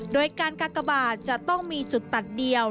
โดยการกากบาทจะต้องมีจุดตัดเดียว